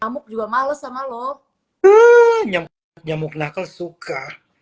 nyamuk juga males sama lo nyamuk nakal suka